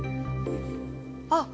あっ！